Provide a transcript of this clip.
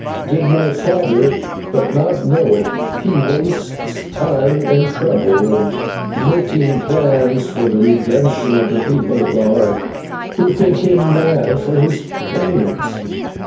Did my father but know it, he wastes time and trouble in making plans for the redemption of the People of the Heart, who think him mad for his pains.